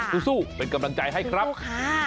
สู้เป็นกำลังใจให้ครับ